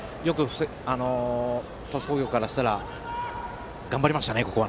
鳥栖工業からしたら頑張りましたね。